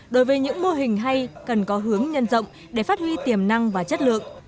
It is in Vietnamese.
đối với những mô hình hay cần có hướng nhân rộng để phát huy tiềm năng và chất lượng